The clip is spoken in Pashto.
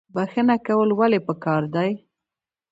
بخښنه کول ولې پکار دي؟